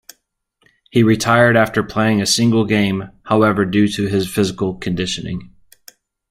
He retired after playing a single game however due to his physical conditioning.